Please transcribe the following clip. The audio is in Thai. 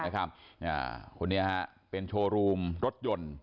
คนนี้เป็นโชว์รูมรถยนต์